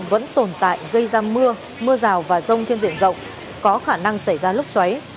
vẫn tồn tại gây ra mưa mưa rào và rông trên diện rộng có khả năng xảy ra lốc xoáy